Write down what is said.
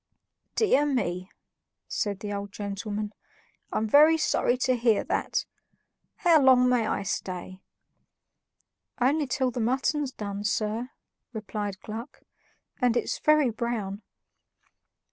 "Dear me," said the old gentleman, "I'm very sorry to hear that. How long may I stay?" "Only till the mutton's done, sir," replied Gluck, "and it's very brown."